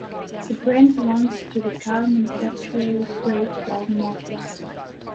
The brand belongs to the car manufacturer Great Wall Motors.